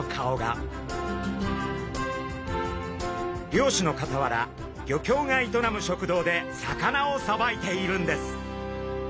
漁師のかたわら漁協が営む食堂で魚をさばいているんです。